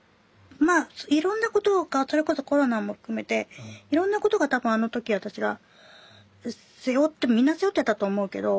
まあいろんなことがそれこそコロナも含めていろんなことが多分あの時私が背負ってみんな背負ってたと思うけど。